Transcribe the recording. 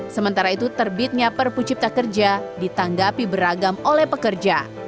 sementara itu terbitnya perpu cipta kerja ditanggapi beragam oleh pekerja